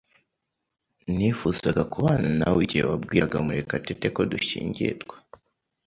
Nifuzaga kubana nawe igihe wabwiraga Murekatete ko dushyingirwa.